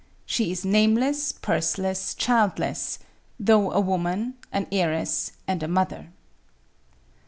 She is nameless, purseless, childless though a woman, an heiress, and a mother.